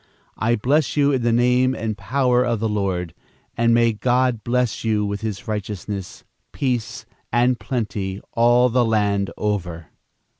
I bless you in the name and power of the Lord, and may God bless you with his righteousness, peace and plenty all the land over."